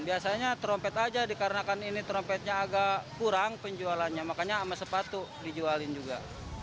biasanya trompet aja dikarenakan ini trompetnya agak kurang penjualannya makanya sama sepatu dijualin juga